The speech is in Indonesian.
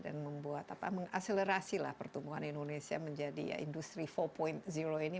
dan mengaselerasilah pertumbuhan indonesia menjadi industri empat ini